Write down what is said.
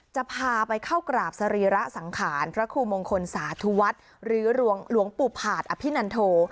จะพาไปเข้ากราบสรีระสังขารพระครูมงคลสาธุวัฒน์หรือหลวงปู่ผาดอภินันโท